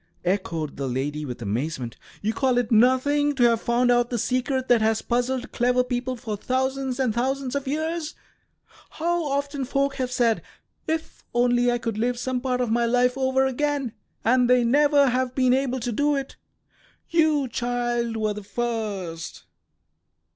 echoed the lady, with amazement. "You call it nothing to have found out the secret that has puzzled clever people for thousands and thousands of years? How often folk have said, 'If only I could live some part of my life over again!' and they never have been able to do it. You, child, were the first."